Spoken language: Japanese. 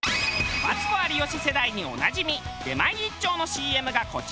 マツコ有吉世代におなじみ出前一丁のＣＭがこちら。